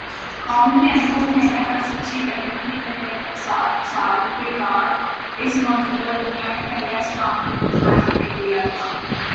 قوم نے انتھک محنت اور سچی لگن کے تحت سات سال بعد اس موجودہ دنیا میں پہلا اسلامی ملک قائم کردیا تھا